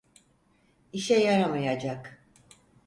İşe yaramayacak.